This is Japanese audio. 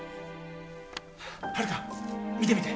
ハルカ見てみて。